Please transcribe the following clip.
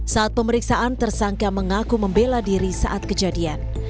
saat pemeriksaan tersangka mengaku membela diri saat kejadian